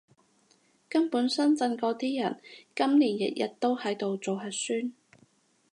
根本深圳嗰啲人，今年日日都喺度做核酸